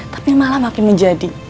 tapi malah makin menjadi